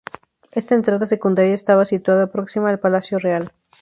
Esta entrada secundaria estaba situada próxima al palacio real.